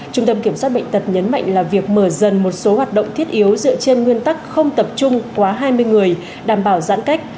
trung tâm kiểm soát bệnh tật nhấn mạnh là việc mở dần một số hoạt động thiết yếu dựa trên nguyên tắc không tập trung quá hai mươi người đảm bảo giãn cách